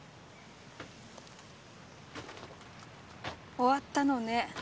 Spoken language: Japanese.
終わったのね